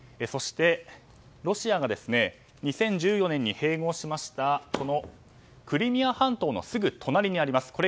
そして、ロシアが２０１４年に併合しましたクリミア半島のすぐ隣にあります。